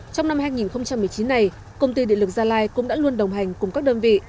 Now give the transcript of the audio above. trong năm hai nghìn một mươi chín này công ty điện lực gia lai cũng đã luôn đồng hành cùng các đơn vị